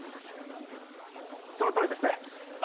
その通りですね。